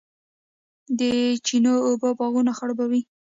د چینو اوبه باغونه خړوبوي.